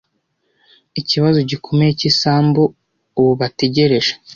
ikibazo gikomeye cy isambu ubu bategereje